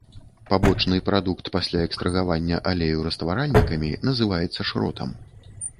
Пабочны прадукт пасля экстрагавання алею растваральнікамі называецца шротам.